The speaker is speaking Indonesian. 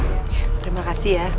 terima kasih ya